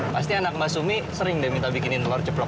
pasti anak mbak sumi sering deh minta bikinin telur ceplok